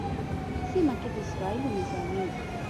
سیمه کې د اسرائیلو نظامي